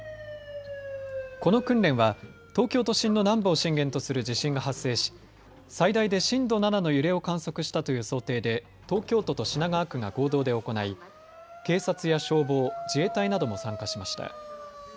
この訓練は東京都心の南部を震源とする地震が発生し最大で震度７の揺れを観測したという想定で東京都と品川区が合同で行い警察や消防、自衛隊なども参加しました。